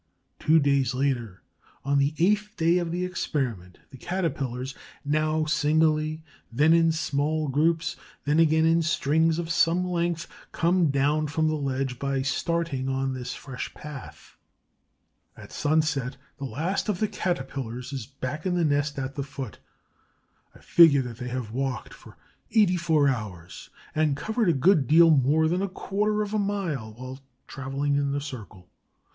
Two days later, on the eighth day of the experiment, the Caterpillars—now singly, then in small groups, then again in strings of some length—come down from the ledge by starting on this fresh path. At sunset the last of the Caterpillars is back in the nest at the foot. I figure that they have walked for eighty four hours, and covered a good deal more than a quarter of a mile while traveling in the circle.